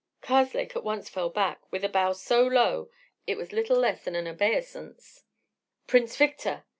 Karslake at once fell back, with a bow so low it was little less than an obeisance. "Prince Victor!"